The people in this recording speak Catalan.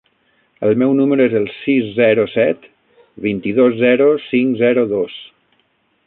El meu número es el sis, zero, set, vint-i-dos, zero, cinc, zero, dos.